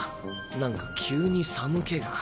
何か急に寒気が。